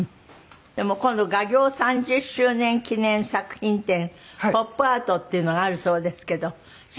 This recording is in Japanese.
でも今度画業３０周年記念作品展「ＰＯＰＯＵＴ」っていうのがあるそうですけど。